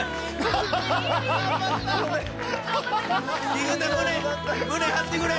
菊田胸張ってくれ。